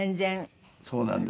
そうなんです。